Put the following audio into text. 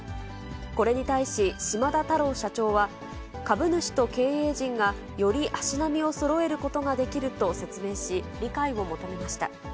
これに対し島田太郎社長は、株主と経営陣がより足並みをそろえることができると説明し、理解を求めました。